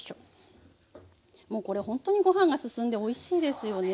もうこれほんとにご飯が進んでおいしいですよね。